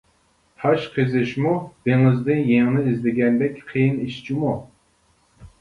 -تاش قېزىشمۇ دېڭىزدىن يىڭنە ئىزدىگەندەك قىيىن ئىش، جۇمۇ.